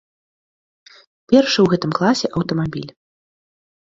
Першы ў гэтым класе аўтамабіль.